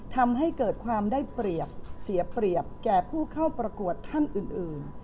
ทำให้เกิดความได้เปรียบเสียเปรียบแก่ผู้เข้าประกวดท่านอื่น